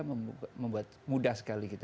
membuat mudah sekali gitu